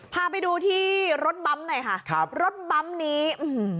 พาไปดูที่รถบั๊มหน่อยค่ะครับรถบั๊มนี้อื้อหือ